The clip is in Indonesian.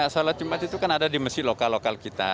sholat jumat itu kan ada di masjid lokal lokal kita